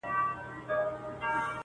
د جنت د حورو ميري، جنت ټول درته لوگی سه.